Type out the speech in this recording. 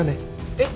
えっ？